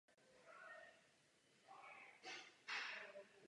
Takto ovládané území je okupované území nebo okupační zóna.